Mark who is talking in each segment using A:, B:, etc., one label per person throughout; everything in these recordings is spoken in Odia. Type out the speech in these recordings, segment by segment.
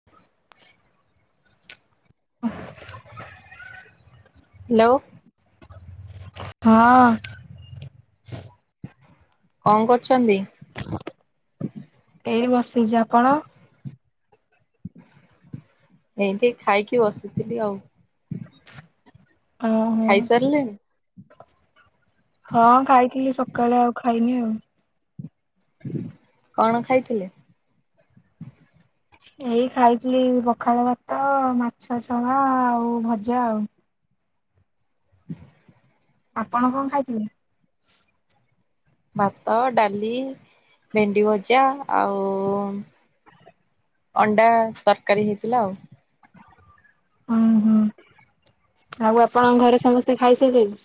A: [inaudible]
B: ହ୍ୟାଲୋ।
A: ହଁ।
B: କଁ କରୁଛନ୍ତି?
A: ଏଇଠି ବସିଛି, ଆପଣ?
B: ଏମତି ଖାଇକି ବସିଥିଲି ଆଉ।
A: ଆଁ ହୁଁ।
B: ଖାଇ ସାରିଲେଣି?
A: ହଁ ଖାଇଥିଲି ସକାଳେ ଆଉ ଖାଇନି ଆଉ।
B: କଣ ଖାଇଥିଲେ?
A: ଏଇ ଖାଇଥିଲି ପଖାଳ ଭାତ, ମାଛଛଣା ଆଉ ଭଜା ଆଉ।
B: [inaudible]
A: ଆପଣ କଁ ଖାଇଥିଲେ?
B: ଭାତ, ଡାଲି, ଭେଣ୍ଡି ଭଜା ଆଉ ଅଣ୍ଡା ତରକାରୀ ହେଇଥିଲା ଆଉ।
A: ଓଁ ହୁଁ ଆଉ ଆପଣଙ୍କ ଘରେ ସମସ୍ତେ ଖାଇସାଇଲେଣି?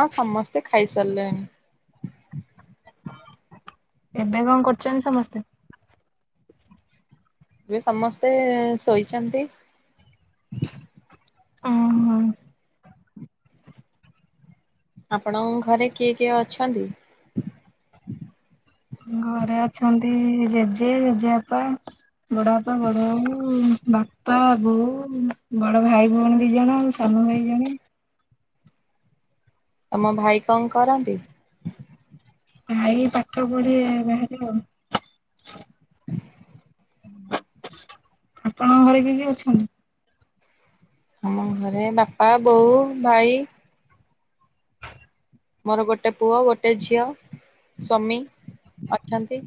B: ହଁ ସମସ୍ତେ ଖାଇ ସାରିଲେଣି।
A: ଏବେ କଁ କରୁଛନ୍ତି ସମସ୍ତେ?
B: ଏବେ ସମସ୍ତେ ଶୋଇଛନ୍ତି।
A: ଅଁ ହଁ।
B: ଆପଣଙ୍କ ଘରେ କିଏ କିଏ ଅଛନ୍ତି?
A: ଘରେ ଅଛନ୍ତି ଜେଜେ ଜେଜେବାପା ବଡ ବାପା ବଡ ବୋଉ, ବାପା ବୋଉ, ବଡ ଭାଇ ଭଉଣୀ ଦିଜଣ ସାନ ଭାଇ ଜଣେ।
B: ତମ ଭାଇ କଁ କରନ୍ତି?
A: ଭାଇ ପାଠ ପଢେ ବାହାରେ ଆଉ। ଆପଣଙ୍କ ଘରେ କିଏ କିଏ ଅଛନ୍ତି?
B: ଆମ ଘରେ ବାପା ବୋଉ ଭାଇ ମୋର ଗୋଟେ ପୁଅ ଗୋଟେ ଝିଅ ସ୍ୱାମୀ ଅଛନ୍ତି।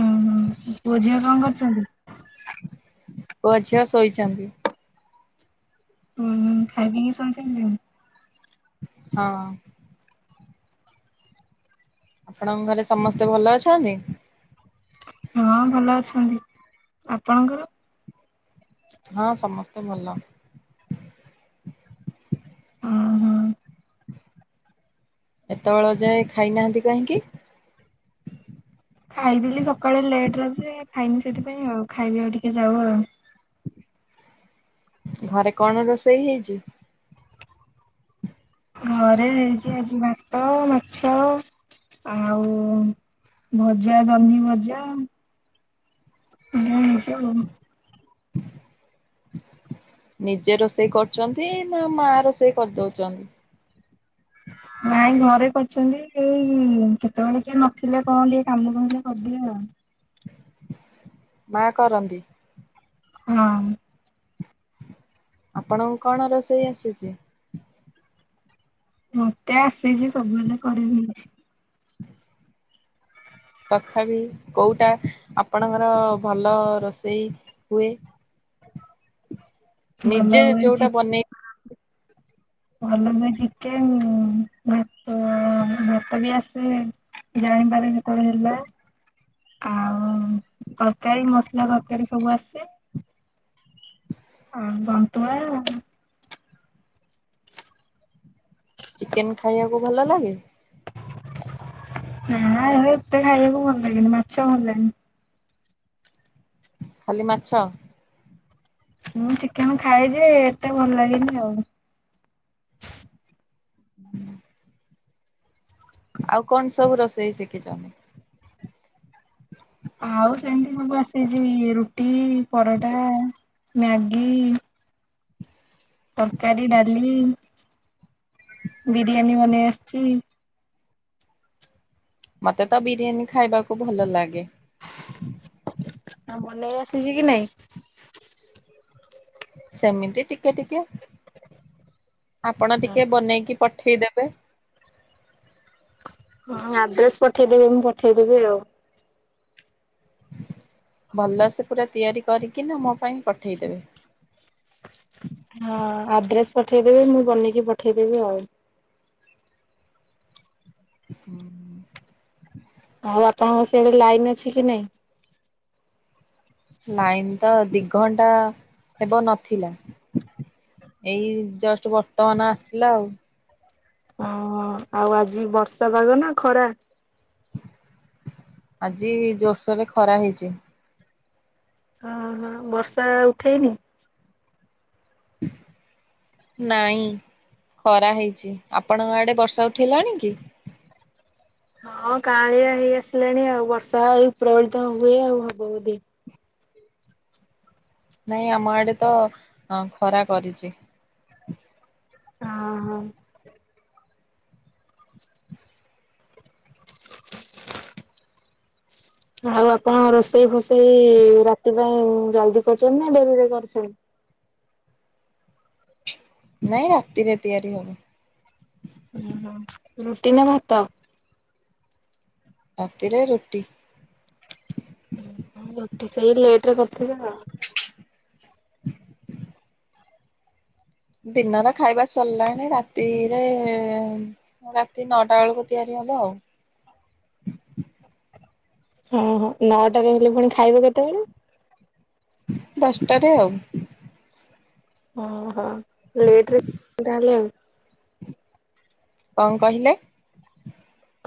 A: ଉଁ ହୁଁ, ପୁଅ ଝିଅ କଣ କରୁଛନ୍ତି?
B: ପୁଅ‌ ଝିଅ ଶୋଇଛନ୍ତି।
A: ଉଁ ହୁଁ ଖାଇ ପିିଇ ସୋଇ ସାଇ ଲେଣି।
B: ହଁ। ଆପଣଙ୍କ ଘରେ ସମସ୍ତେ ଭଲ ଅଛନ୍ତି?
A: ହଁ ଭଲ ଅଛନ୍ତି, ଆପଣଙ୍କର?
B: ହଁ ସମସ୍ତେ ଭଲ।
A: ଓହୋ
B: ଏତେବେଳ ଯାଏ ଖାଇନାହାନ୍ତି କାହିଁକି?
A: ଖାଇଥିଲି ସକାଳେ ଲେଟ ରେ ଯେ ଖାଇନି ସେଥିପାଇଁ ଆଉ ଖାଇବି ଆଉ ଟିକେ ଯାଉ ଆଉ।
B: ଘରେ କଣ ରୋଷେଇ ହେଇଛି?
A: ଘରେ ହେଇଛି ଆଜି ଭାତ ମାଛ ଆଉ ଭଜା ଜହ୍ନି ଭଜା। ଏଇଆ ହେଉଛି ଆଉ।
B: ନିଜେ ରୋଷେଇ କରୁଛନ୍ତି ନା ମା ରୋଷେଇ କରିଦଉଛନ୍ତି?
A: ନାଇଁ ଘରେ କରିଛନ୍ତି କେତେବେଳେ କିଏ ନଥିଲେ କଣ ଟିକେ କାମ କହିଲେ କରିଦିଏ ଆଉ।
B: ମା କରନ୍ତି।
A: ହଁ
B: ଆପଣଙ୍କୁ କଣ ରୋଷେଇ ଆସିଛି?
A: ମତେ ଆସିଛି ସବୁ ହେଲେ କରିନି କିଛି।
B: ତଥାପି କୋଉଁଟା ଆପଣଙ୍କର ଭଲ ରୋଷେଇ ହୁଏ
A: ଭଲ
B: ନିଜେ
A: ହୁଏ ଚି
B: ଯୋଉଟା ବନେଇ
A: ଭଲ ବି ଚିକେନ୍ ଭାତ ବି ଆସେ ଜାଣିପରେ କେତେବେଳେ ହେଲା। ଆଉ ତରକାରୀ ମସଲା ତରକାରୀ ସବୁ ଆସେ ହଁ ଦନ୍ତୁଆ
B: ଚିକେନ ଖାଇବାକୁ ଭଲ ଲାଗେ
A: ନା ଏତେ ଖାଇବାକୁ ଭଲ ଲାଗେନି ମାଛ ଭଲ ଲାଗେନି
B: ଖାଲି ମାଛ
A: ମୁଁ ଚିକେନ ଖାଏ ଯେ ଏତେ ଭଲ ଲାଗେନି ଆଉ
B: ହୁଁ ଆଉ କଣ ସବୁ ରୋଷେଇ ଶିଖିଛନ୍ତି?
A: ଆଉ ସେମିତି ମୁକୁ ଆସିଛି ରୁଟି ପରଟା ମ୍ୟାଗି ତରକାରୀ ଡାଲି ବିରିୟାନୀ ବନେଇ ଆସିଛି।
B: ମତେ ତ ବିରିୟାନୀ ଖାଇବାକୁ ଭଲ ଲାଗେ।
A: ଆ ବନେଇ ଆସିଛି କି ନାଇଁ?
B: ସେମିତି ଟିକେ ଟିକେ ଆପଣ ଟିକେ ବନେଇକି ପଠେଇଦେବେ
A: ହଁ ଆଡ୍ରେସ ପଠେଇଦେବି ମୁଁ ପଠେଇଦେବି ଆଉ
B: ଭଲସେ ପୁରା ତିଆରି କରିକି ନା ମୋ ପାଇଁ ପଠେଇଦେବେ।
A: ହଁ ଆଡ୍ରେସ ପଠେଇଦେବି ମୁଁ ବନେଇକି ପଠେଇଦେବି ଆଉ
B: ହୁଁ
A: ଆଉ ଆପଣଙ୍କ ସିଆଡେ ଲାଇନ୍ ଅଛି କି ନାଇଁ?
B: ଲାଇନ ତ ଦି ଘଣ୍ଟା ହେବ ନଥିଲା ଏଇ ଜଷ୍ଟ ବର୍ତ୍ତମାନ ଆସିଲା ଆଉ
A: ଓ ଆଉ ଆଜି ବର୍ଷା ପାଗ ନା ଖରା?
B: ଆଜି ଜୋରସୋର ରେ ଖରା ହେଇଛି।
A: ହ ହ ବର୍ଷା ଉଠେଇନି।
B: ନାଇଁ ଖରା ହେଇଛି ଆପଣଙ୍କ ଆଡେ ବର୍ଷା ଉଠିଲାଣି କି?
A: ହଁ କାଳିଆ ହେଇ ଆସିଲାଣି ଆଉ ବର୍ଷା ଉପ୍ରବଳିତ ହୁଏ ଆଉ ହବ ବୋଧେ
B: ନାଇଁ ଆମ ଆଡେ ତ ଖରା କରିଛି।
A: ହଁ ହଁ ଆଉ ଆପଣ ରୋଷେଇ ଫୋଷେଇ ରାତି ପାଇଁ ଜଲଦି କରୁଛନ୍ତି ନା ଡେରିରେ କରୁଛନ୍ତି?
B: ନାଇଁ ରାତିରେ ତିଆରି ହବ।
A: ଓହୋ ରୁଟି ନା ଭାତ?
B: ରାତିରେ ରୁଟି।
A: ରୁଟି ସେଇ ଲେଟ୍ ରେ କରିଥିବେ ଆଉ।
B: ଦିନର ଖାଇବା ସରିଲାଣି ରାତିରେ? ରାତି ନଅଟା ଅଳକୁ ତିଆରି ହବ ଆଉ।
A: ହଁ ହଁ ନଅଟାରେ ହେଲେ ପୁଣି ଖାଇବେ କେତେବେଳେ?
B: ଦଶଟା ରେ ଆଉ।
A: ଓହୋ ଲେଟ ରେ ତାହେଲେ ଆଉ।
B: କଣ କହିଲେ?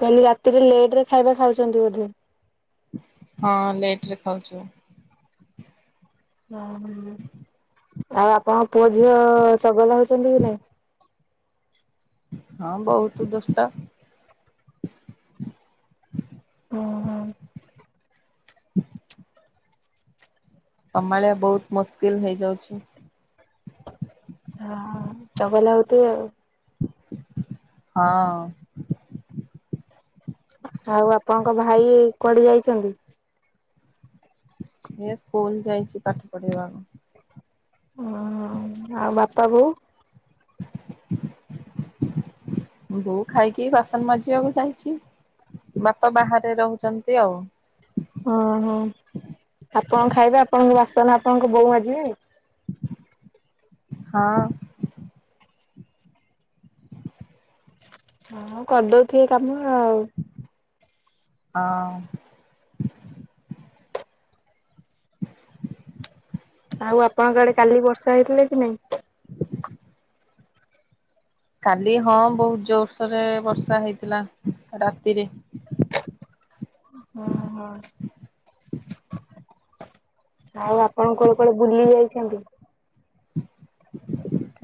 A: କହିଲି ରାତିରେ ଲେଟ ରେ ଖାଇବା ଖାଉଛନ୍ତି ବୋଧେ।
B: ହଁ ଲେଟରେ ଖାଉଚୁ।
A: ଓ ହୋ ଆଉ ଆପଣଙ୍କ ପୁଅ, ଝିଅ ଚଗଲା ହଉଛନ୍ତି କି ନାଇଁ?
B: ହଁ ବହୁତୁ ଦୁଷ୍ଟ।
A: ଉଁ ହୁଁ।
B: ସମାଳିବା ବହୁତ ମୁସ୍କିଲ୍ ହେଇଯାଉଛି।
A: ହଁ ଚଙ୍ଗଲା ହଉଥିବେ ଆଉ।
B: ହଁ।
A: ଆଉ ଆପଣଙ୍କ ଭାଇ କୁଆଡେ ଯାଇଛନ୍ତି?
B: ସେ ସ୍କୁଲ ଯାଇଛି ପାଠ ପଢେଇବାକୁ।
A: ଅଁ ହ ଆଉ ବାପା ବୋଉ।
B: ବୋଉ ଖାଇକି ବାସନ ମାଜିବାକୁ ଯାଇଛି। ବାପା ବାହାରେ ରହୁଛନ୍ତି ଆଉ।
A: ଓଁ ହୋ ଆପଣ ଖାଇବେ ଆପଣଙ୍କ ବାସନା ଆପଣଙ୍କ ବୋଉ ମାଜିବେ।
B: ହଁ।
A: ହଁ କରିଦଉଥିବେ କାମ ଆଉ।
B: ହଁ।
A: ଆଉ ଆପଣଙ୍କ ଆଡେ କାଲି ବର୍ଷା ହେଇଥିଲା କି ନାଇଁ?
B: କାଲି ହଁ ବହୁତ ଜୋର ସୋର ରେ ବର୍ଷା ହେଇଥିଲା ରାତିରେ।
A: ହୁଁ। ହଁ। ଆଉ ଆପଣ କୁଆଡେ କୁଆଡେ ବୁଲି ଯାଇଛନ୍ତି?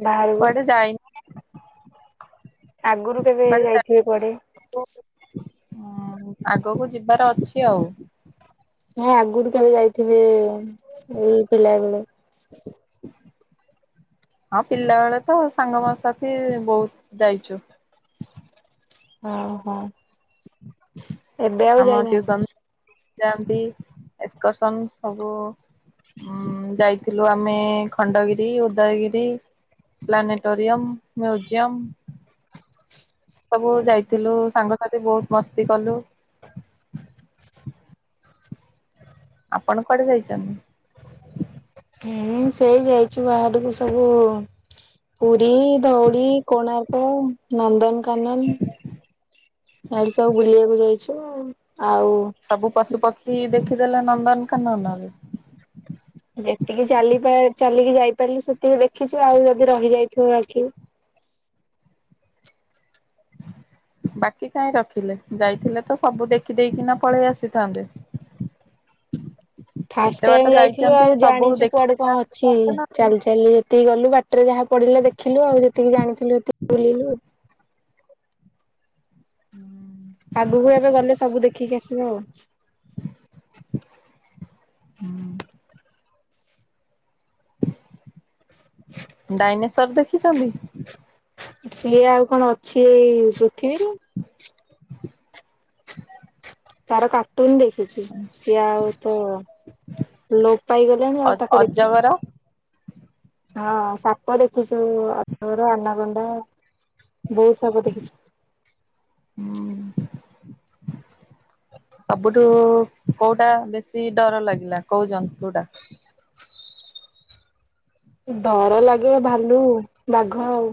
A: ବାହାରକୁ।
B: କୁଆଡେ ଯାଇନି
A: ଆଗରୁ କେବେ
B: କୁଆଡେ ଯାଇନୁ
A: ଯାଇଥିବେ କୁଆଡେ?
B: ହଁ ଆଗକୁ ଯିବାର ଅଛି ଆଉ।
A: ନାଁଇ ଆଗୁରୁ କେବେ ଯାଇଥିବେ ଏଇ ପିଲାବେଳେ।
B: ହଁ ପିଲାବେଳେ ତ ସାଙ୍ଗ ମ ସାଥି ବହୁତ ଯାଇଛୁ।
A: ଓ ହୋ।
B: ଆମ
A: ଯାଇନାହାନ୍ତି?
B: ଟିଉସନ ଯାଆନ୍ତି ଏସ୍କର୍ଶନ ସବୁ। ଉଁ ଯାଇଥିଲୁ ଆମେ ଖଣ୍ଡଗିରି ଉଦୟଗିରି। Planetarium museum. ସବୁ ଯାଇଥିଲୁ ସାଙ୍ଗସାଥି ବହୁତ ମସ୍ତି କଲୁ। ଆପଣ କୁଆଡେ ଯାଇଚନ୍ତି?
A: ମୁଁ ସେଇ ଯାଇଛୁ ବାହାରକୁ ସବୁ। ପୁରୀ, ଧଉଳି, କୋଣାର୍କ, ନନ୍ଦନ କାନନ ଇଆଡେ ସବୁ ବୁଲିବାକୁ ଯାଇଛୁ ଆଉ।
B: ସବୁ ପଶୁ ପକ୍ଷୀ ଦେଖିଦେଲ ନନ୍ଦନ କାନନରେ।
A: ଯେତିକି ଚାଲିପା ଚାଲିକି ଯାଇପାରିଲୁ ସେତିକି ଦେଖିଛୁ ଆଉ ଯଦି ରହିଯାଇଥିବ ବାକି। [unintelligible]
B: ବାକି କାଇଁ ରଖିଲେ ଯାଇଥିଲେ ତ ସବୁ ଦେଖି ଦେଇକିନା ପଳେଇ ଆସିଥାନ୍ତେ।
A: ଫାଷ୍ଟ
B: ଏତେ ବାଟ
A: ଟାଇମି ଯାଇଥିଲୁ
B: ଯାଇଛନ୍ତି
A: ଆଉ
B: ସବୁ
A: ଜାଣିଛୁ କୁଆଡେ
B: ଦେଖିକିନା
A: କଣ ଅ
B: ଆସିଥାନ୍ତେ ନା ଆଉ।
A: ଚାଲି ଚାଲି ଯେତିକି ଗଲୁ ବାଟରେ ଯାହା ପଡିଲା ଦେଖିଲୁ ଆଉ ଯେତିକି ଜାଣିଥିଲୁ ସେତିକି ବୁଲିଲି।
B: ହୁଁ
A: ଆଗକୁ ଏବେ ଗଲେ ସବୁ ଦେଖିକି ଆସିବ ଆଉ।
B: ହୁଁ ଡାଇନେଶର ଦେଖିଛନ୍ତି?
A: ସିଏ ଆଉ କଣ ଅଛି ଏଇ ପୃଥିବୀରୁ? ତାରା କା ଟୁନ ଦେଖିଛି ସିଏ ଆଉ ତ ଲୋପ ପାଇଗଲେଣି
B: ଅ
A: ଆଉ ତାକୁ ଦେଖିଲଣି।
B: ଅଜଗର?
A: ହଁ ସାପ ଦେଖିଛୁ ଅଜଗର ଆନା ଗଣ୍ଡା ବହି ସବୁ ଦେଖିଛୁ।
B: ହୁଁ। ସବୁଠୁ କୋଉଟା ବେଶୀ ଡର ଲାଗିଲା କୋଉ ଜନ୍ତୁଟା।
A: ଡର ଲାଗେ ଭାଲୁ ବାଘ ଆଉ।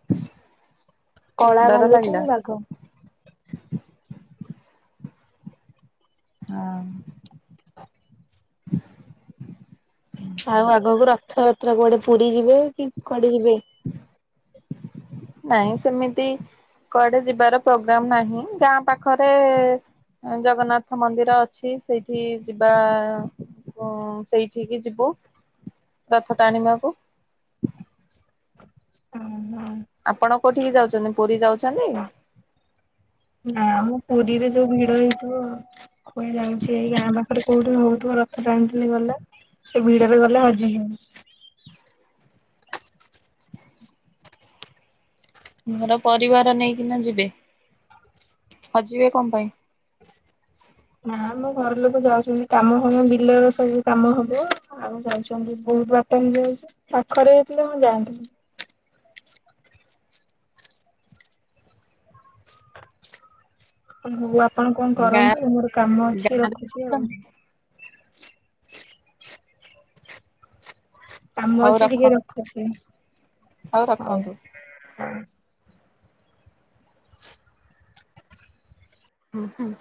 B: [inaudible]
A: କଳା
B: ଡର
A: ଭାଲୁକୁ
B: ଲାଗିଲା
A: ବାଘ।
B: ଓହଁ।
A: ଆଉ ଆଗକୁ ରଥଯାତ୍ରା କୁଆଡେ ପୁରୀ ଯିବେ କି କୁଆଡେ ଯିବେ।
B: ନାଇଁ ସେମିତି କୁଆଡେ ଯିବାର ପ୍ରୋଗ୍ରାମ ନାହିଁ ଗାଁ ପାଖରେ ଜଗନ୍ନାଥ ମନ୍ଦିର ଅଛି ସେଇଠି ଯିବା। ଊ ସେଇଠିକି ଯିବୁ ରଥ ଟାଣିବାକୁ।
A: ହୁଁ ହୁଁ।
B: ଆପଣ କୋଉଠିକି ଯାଉଛନ୍ତି ପୁରୀ ଯାଉଛନ୍ତି?
A: ନା ଆମ ପୁରୀରେ ଯୋଉ ଭିଡ ହେଇଥିବ। କୁଏ ଯାଉଛି ଏଇ ଗାଁ ପାଖରେ କୋଉଠି ହଉଥିବ ରଥ ଟାଣିଥିଲି ଗଲା। ସେ ଭିଡ ରେ ଗଲେ ହଜିଯିବୁ।
B: ଘର ପରିବାର ନେଇକିନା ଯିବେ ହଯିବେ କଣ ପାଇଁ?
A: ନା ଆମ ଘର ଲୋକ ଯାଉଛନ୍ତି କାମ ହବ ବିଲର ସବୁ କାମ ହବ। ଆଉ ଯାଉଛନ୍ତି ବହୁତ ବାଟ ମୁ ଯାଉଛି ପାଖରେ ଯାଇଥିଲେ ମୁଁ ଯାଆନ୍ତିନି। ହଉ ଆପଣ କଣ
B: ଗାଁ
A: କରନ୍ତୁ ମୋର କାମ ଅଛି
B: ଗାଁରେ
A: ରଖୁଛି ଆଉ।
B: ରହୁଛନ୍ତି
A: କାମ
B: ହଉ
A: ଅଛି
B: ରଖ
A: ଟିକେ ରଖୁଛି ହଉ ହଉ।
B: ହୁଁ ହୁଁ।